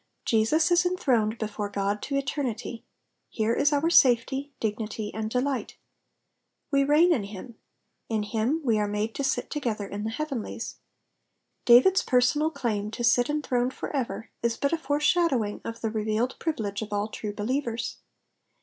Jesus is enthroned before God to eternity ; hero is our safety, dignity, and delight. We reign in him ; in him we are made to sit together in the heavenlies. David^s personal claim to sit enthroned for ever is but a foreshadowiLg of the revealed privilege of all true believers.